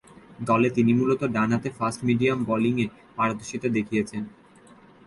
দলে তিনি মূলতঃ ডানহাতে ফাস্ট-মিডিয়াম বোলিংয়ে পারদর্শিতা দেখিয়েছেন।